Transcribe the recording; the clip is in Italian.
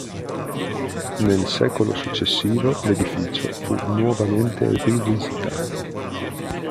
Nel secolo successivo l'edificio fu nuovamente rivisitato.